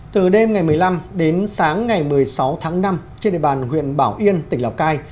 từ đêm ngày một mươi năm đến sáng ngày một mươi sáu tháng năm trên địa bàn huyện bảo yên tỉnh lào cai